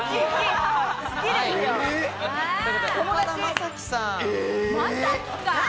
岡田将生さん。